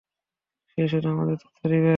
সে শুধু আমাদের তথ্য দিবে।